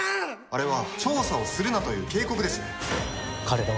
あれは調査をするなという警告です。